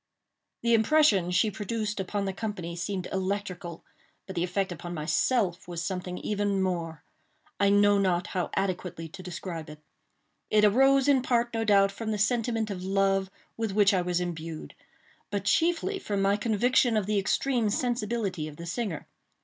The impression she produced upon the company seemed electrical—but the effect upon myself was something even more. I know not how adequately to describe it. It arose in part, no doubt, from the sentiment of love with which I was imbued; but chiefly from my conviction of the extreme sensibility of the singer.